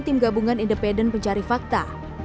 tim gabungan independen pencari fakta